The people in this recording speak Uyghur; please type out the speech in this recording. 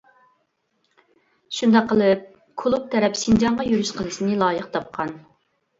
شۇنداق قىلىپ كۇلۇب تەرەپ شىنجاڭغا يۈرۈش قىلىشنى لايىق تاپقان.